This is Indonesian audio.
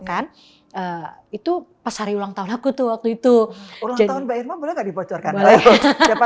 kan itu pas hari ulang tahun aku tuh waktu itu jadi tahun baiknya boleh dipocorkan oleh siapa